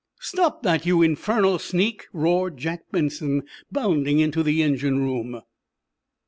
"Stop that, you infernal sneak!" roared Jack Benson, bounding into the engine room.